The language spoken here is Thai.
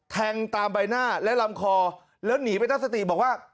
แทงตามใบหน้าและลำคอแล้วหนีไปตั้งสติบอกว่า